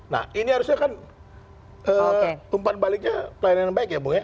nah ini harusnya kan tumpan baliknya pelayanan baik ya bung ya